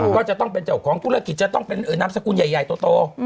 ก็จะต้องเป็นเจ้าของธุรกิจจะต้องเป็นนามสกุลใหญ่โต